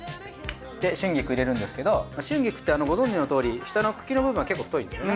で春菊入れるんですけど春菊ってご存じのとおり下の茎の部分は結構太いんですよね。